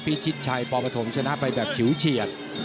พี่ชิดชัยปอปฐมชนะไปแบบเขียวเฉียด